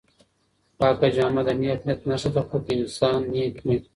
پاکه جامه د نېک نیت نښه ده خو که انسان نېک وي.